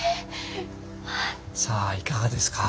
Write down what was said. さあいかがですか？